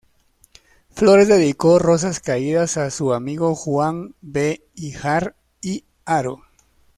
Flores dedicó Rosas Caídas a su amigo Juan B. Híjar y Haro.